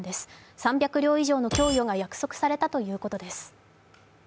３００両以上の供与が約束されたということです。